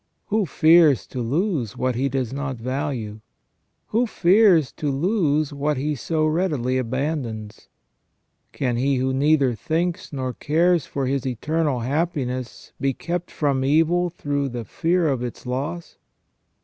Who fears to lose what he does not value ? Who fears to lose what he so readily abandons ? Can he who neither thinks nor cares for his eternal happiness be kept from evil through the fear of its loss